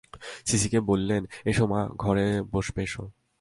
সিসিকে বললেন, এসো মা, ঘরে বসবে এসো।